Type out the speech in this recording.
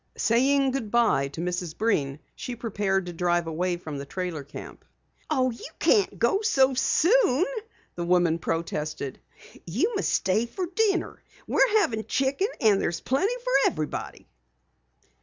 Saying good bye to Mrs. Breen, she prepared to drive away from the trailer camp. "Oh, you can't go so soon," the woman protested. "You must stay for dinner. We're having chicken and there's plenty for everybody!"